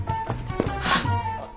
あっ。